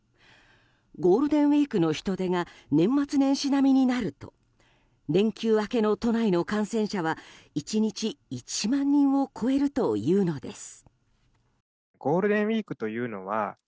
ゴールデンウィークの人出が年末年始並みになると連休明けの都内の感染者は１日１万人を超えるというのです。